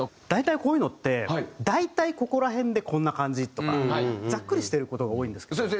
大体こういうのって大体ここら辺でこんな感じとかざっくりしてる事が多いんですけど。